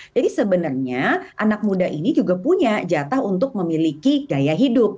jadi sebenarnya anak muda ini juga punya jatah untuk memiliki gaya hidup